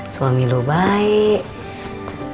suami lu baik